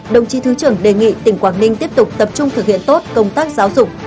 đồng chí thứ trưởng đề nghị tỉnh quảng ninh tiếp tục tập trung thực hiện tốt công tác giáo dục